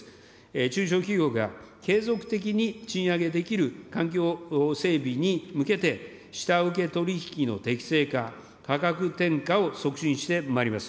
中小企業が継続的に賃上げできる環境整備に向けて、下請け取り引きの適正化、価格転嫁を促進してまいります。